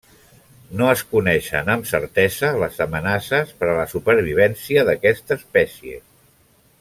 No es coneixen amb certesa les amenaces per a la supervivència d'aquesta espècie.